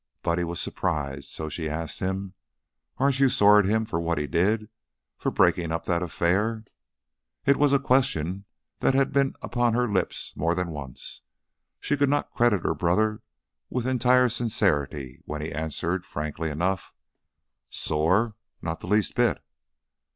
Buddy was surprised, so she asked him: "Aren't you sore at him for what he did? For breaking up that affair?" It was a question that had been upon her lips more than once; she could not credit her brother with entire sincerity when he answered, frankly enough: "Sore? Not the least bit."